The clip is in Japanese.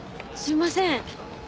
すいません。